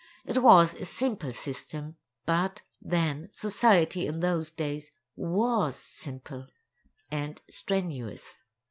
It was a simple system, but, then, society in those days was simple—and strenuous.